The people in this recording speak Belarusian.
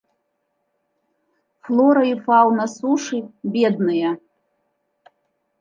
Флора і фаўна сушы бедныя.